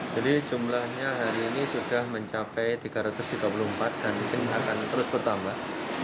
jadi jumlahnya hari ini sudah mencapai tiga ratus tiga puluh empat dan ini akan terus bertambah